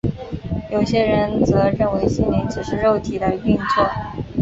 有些人则认为心灵只是肉体的运作。